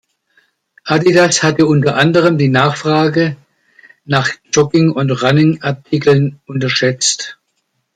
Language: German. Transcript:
Adidas hatte unter anderem die Nachfrage nach Jogging- und Running-Artikeln unterschätzt.